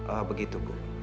oh begitu bu